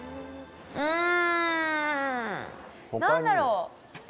うん何だろう？